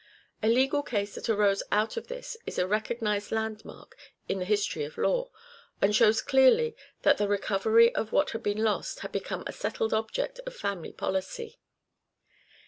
A legal case that arose out of this is a recognized landmark in the history of the law, and shows clearly that the recovery of what had been lost had become a settled object of family policy.